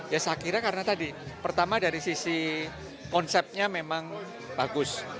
ya saya kira karena tadi pertama dari sisi konsepnya memang bagus